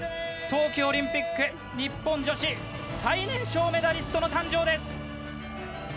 冬季オリンピック日本女子最年少メダリストの誕生です。